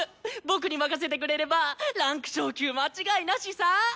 僕に任せてくれれば位階昇級間違いなしさ！